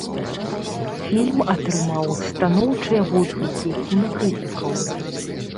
Фільм атрымаў станоўчыя водгукі кінакрытыкаў.